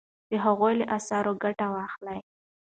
د هغوی له اثارو ګټه واخلئ.